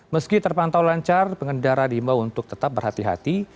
meski terpantau lancar pengendara diimbau untuk tetap berhati hati